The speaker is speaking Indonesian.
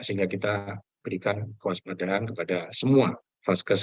sehingga kita berikan kewaspadaan kepada semua vaskes